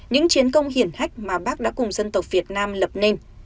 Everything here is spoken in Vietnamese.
những chiến công hiển hách mà bác đã cùng dân tộc việt nam lập nên